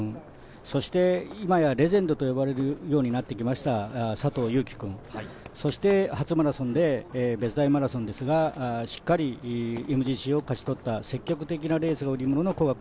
そして今やレジェンドと呼ばれるようになってきました佐藤悠基くん、そして初マラソンで別大マラソンですがしっかりＭＧＣを勝ち取った積極的なレースが売り物の古賀君。